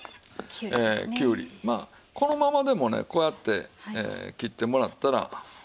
きゅうりまあこのままでもねこうやって切ってもらったらいいですわ。